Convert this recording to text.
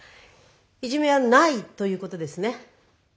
いじめはないということですね。